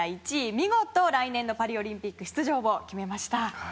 見事、来年のパリオリンピック出場を決めました。